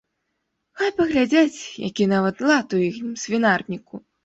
Хай паглядзяць, які нават лад у іхнім свінарніку.